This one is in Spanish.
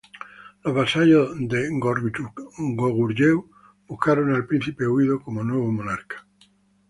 Los vasallos de Goguryeo buscaron al príncipe huido como nuevo monarca.